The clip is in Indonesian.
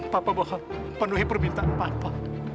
papa bohong penuhi permintaan papa